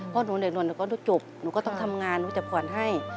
เพราะหนูเด็กหน่วนนะก็จบเดี๋ยวงานหนูจับขวนให้